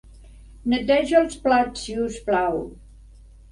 Neteja els plats, si us plau.